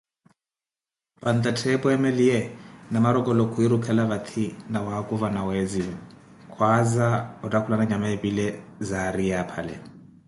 Panta Ttheepo eemeliye, Namarokolo khwirikhela vathi nawakuva na weziwa, khwaaza ottakhulana nyama epile zaariye apale.